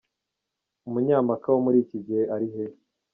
Umunyampaka wo muri iki gihe ari he ?